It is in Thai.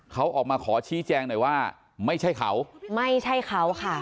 เขาออกมาขอชี้แจงหน่อยว่าไม่ใช่เขาไม่ใช่เขาค่ะ